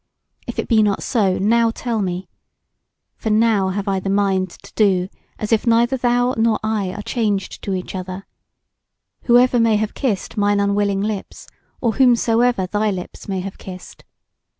If it be not so, now tell me. For now have I the mind to do as if neither thou nor I are changed to each other, whoever may have kissed mine unwilling lips, or whomsoever thy lips may have kissed.